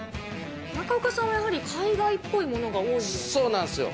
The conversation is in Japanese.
中岡さんはやはり海外っぽいものが多いようですね。